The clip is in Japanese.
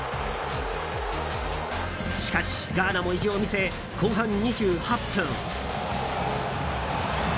しかし、ガーナも意地を見せ後半２８分。